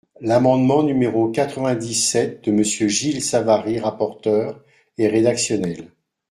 L’amendement numéro quatre-vingt-dix-sept de Monsieur Gilles Savary, rapporteur, est rédactionnel.